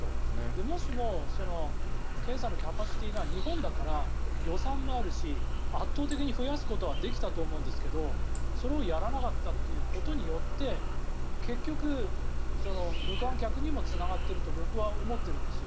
もしも検査のキャパシティーが日本だから予算もあるし圧倒的に増やすことはできたと思うんですけどそれをやらなかったということによって結局、無観客にもつながっていると僕は思ってるんですよ。